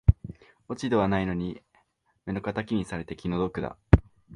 落ち度はないのに目の敵にされて気の毒だ